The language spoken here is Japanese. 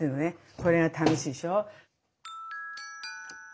これが楽しいでしょ。